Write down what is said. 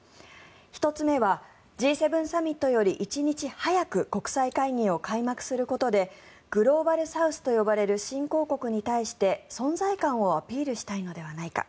１つ目はＧ７サミットより１日早く国際会議を開幕することでグローバルサウスと呼ばれる新興国に対して存在感をアピールしたいのではないか。